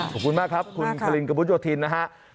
ขอบคุณมากครับคุณคลินกระมุดโยธินนะครับ